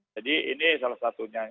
jadi ini salah satunya